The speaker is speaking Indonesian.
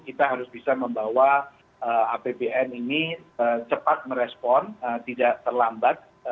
kita harus bisa membawa apbn ini cepat merespon tidak terlambat